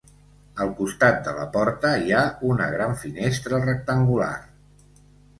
Al costat de la porta hi ha una gran finestra rectangular.